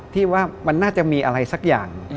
ที่ว่ามันน่าจะมีอะไรสักอย่าง